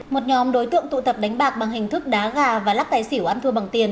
một nhóm đối tượng tụ tập đánh bạc bằng hình thức đá gà và lắc tài xỉu ăn thua bằng tiền